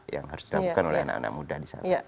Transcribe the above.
yang harus dilakukan oleh anak anak muda di sana